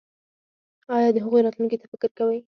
ایا د هغوی راتلونکي ته فکر کوئ؟